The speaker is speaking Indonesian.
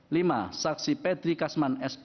lima saksi pedri kasman s p